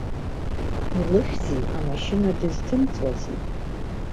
Илыхьзеи, амашьына дызҭымҵуазеи?